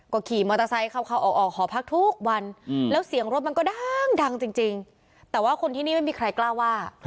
ก็ขี่มอเตอร์ไซค์เข้าออกหอพักทุกวันแล้วเสียงรถมันก็ดังจริงแต่ว่าคนที่นี่ไม่มีใครกล้าว่า